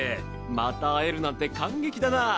また会えるなんて感激だな。